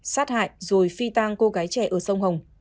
sát hại rồi phi tang cô gái trẻ ở sông hồng